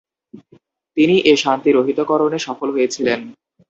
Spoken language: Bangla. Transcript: তিনি এ শাস্তি রহিতকরণে সফল হয়েছিলেন।